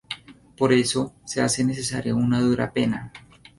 Por eso, se hace necesaria una dura pena.